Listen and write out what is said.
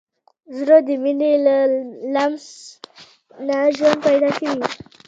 زړه د مینې له لمس نه ژوند پیدا کوي.